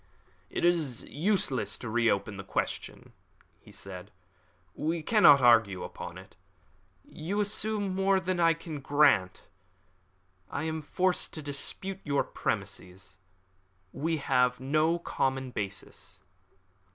"It is useless to reopen that question," he said. "We cannot argue upon it. You assume more than I can grant. I am forced to dispute your premises. We have no common basis."